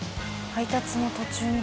配達の途中に。